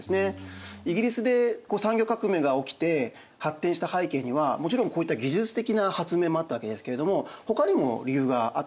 イギリスで産業革命が起きて発展した背景にはもちろんこういった技術的な発明もあったわけですけれどもほかにも理由があったんですね。